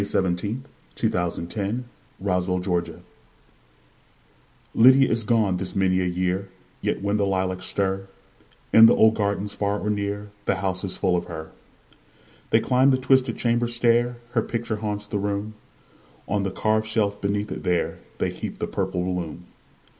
Lizette Woodworth Reese Lydia is gone this many a year LYDIA is gone this many a year, Yet when the lilacs stir, In the old gardens far or near, The house is full of her. They climb the twisted chamber stair; Her picture haunts the room; On the carved shelf beneath it there, They heap the purple bloom.